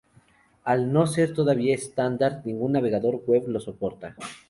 Al no ser todavía un estándar ningún navegador web lo soporta.